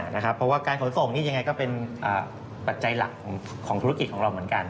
เพราะว่าการขนส่งนี่ยังไงก็เป็นปัจจัยหลักของธุรกิจของเราเหมือนกัน